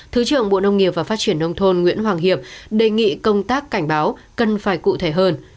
thứ trưởng bộ nông nghiệp và phát triển nông thôn nguyễn hoàng hiệp đề nghị công tác cảnh báo cần phải cụ thể hơn